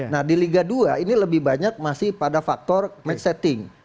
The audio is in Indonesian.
nah di liga dua ini lebih banyak masih pada faktor medsetting